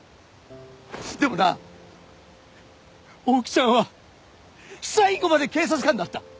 でもな大木ちゃんは最後まで警察官だった。